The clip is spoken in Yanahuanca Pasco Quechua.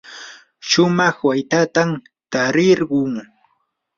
shumaq waytatam tarirquu.